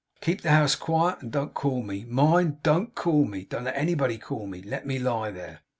Keep the house quiet, and don't call me. Mind! Don't call me. Don't let anybody call me. Let me lie there.